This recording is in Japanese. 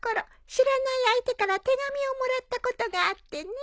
知らない相手から手紙をもらったことがあってねえ。